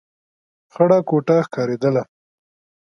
خړه کوټه ښکارېدله.